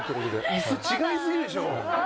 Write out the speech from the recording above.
椅子違いすぎるでしょ。